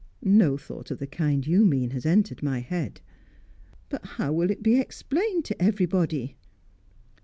No thought of the kind you mean has entered my head." "But how will it be explained to everybody?"